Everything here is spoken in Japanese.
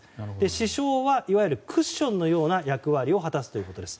支承はいわゆるクッションのような役割を果たすということです。